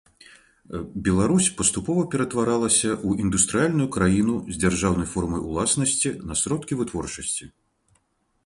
Беларусь паступова ператваралася ў індустрыяльную краіну з дзяржаўнай формай уласнасці на сродкі вытворчасці.